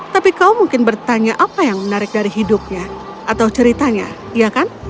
tapi kau mungkin bertanya apa yang menarik dari hidupnya atau ceritanya iya kan